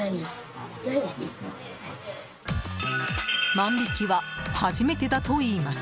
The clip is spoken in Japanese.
万引きは初めてだといいます。